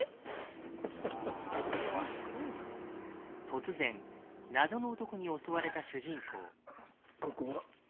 突然謎の男に襲われた主人公。